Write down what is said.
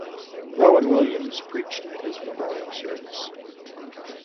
Rowan Williams preached at his memorial service.